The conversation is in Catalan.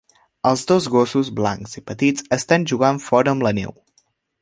Els dos gossos blancs i petits estan jugant fora amb la neu.